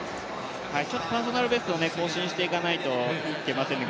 ちょっとパーソナルベストを更新していかないといけませんね。